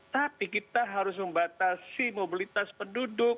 tapi kita harus membatasi mobilitas penduduk